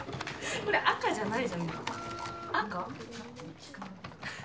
これ赤じゃないじゃん。